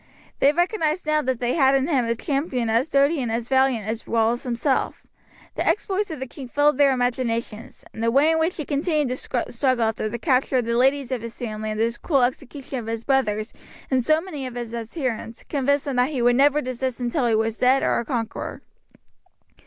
They recognized now that they had in him a champion as doughty and as valiant as Wallace himself. The exploits of the king filled their imaginations, and the way in which he continued the struggle after the capture of the ladies of his family and the cruel execution of his brothers and so many of his adherents, convinced them that he would never desist until he was dead or a conqueror.